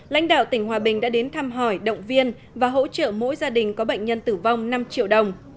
lãnh đạo tỉnh hòa bình đã đến thăm hỏi động viên và hỗ trợ mỗi gia đình có bệnh nhân tử vong năm triệu đồng